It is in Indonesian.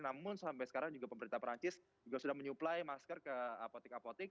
namun sampai sekarang juga pemerintah perancis juga sudah menyuplai masker ke apotek apotek